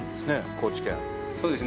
高知県そうですね